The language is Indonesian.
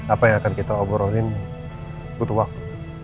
apa yang akan kita oborin butuh waktu